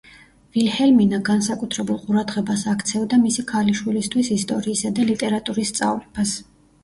ვილჰელმინა განსაკუთრებულ ყურადღებას აქცევდა მისი ქალიშვილისთვის ისტორიისა და ლიტერატურის სწავლებას.